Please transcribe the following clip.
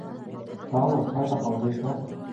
Талы ҡайҙа ҡалды икән?